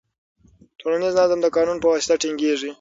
ټولنیز نظم د قانون په واسطه ټینګیږي.